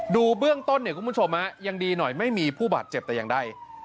ดูเบื้องต้นเนี่ยคุณผู้ชมยังดีหน่อยไม่มีผู้บาดเจ็บแต่อย่างใด